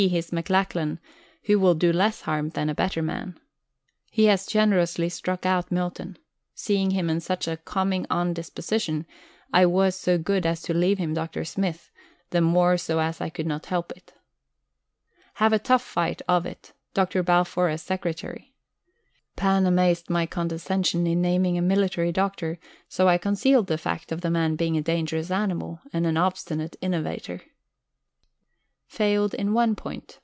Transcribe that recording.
his McLachlan, who will do less harm than a better man. He has generously struck out Milton. Seeing him in such a "coming on disposition," I was so good as to leave him Dr. Smith, the more so as I could not help it. Have a tough fight of it: Dr. Balfour as Secretary. Pan amazed at my condescension in naming a Military Doctor; so I concealed the fact of the man being a dangerous animal and obstinate innovator. Failed in one point.